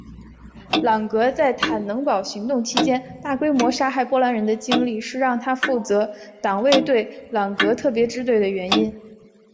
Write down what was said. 朗格在坦能堡行动期间大规模杀害波兰人的经历是让他负责党卫队朗格特别支队的原因。